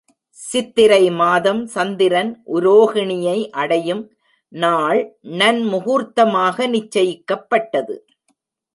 சித்திரை மாதம் சந்திரன் உரோகிணியை அடையும் நாள் நன்முகூர்த்தமாக நிச்சயிக்கப்பட்டது.